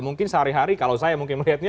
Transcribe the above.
mungkin sehari hari kalau saya mungkin melihatnya